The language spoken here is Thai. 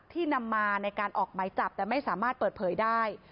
นำมาในการออกไหมจับแต่ไม่สามารถเปิดเผยได้